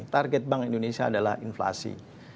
target bank indonesia adalah inflasi